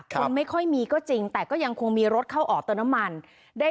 คนไม่ค่อยมีก็จริงแต่ก็ยังคงมีรถเข้าออกเติมน้ำมัน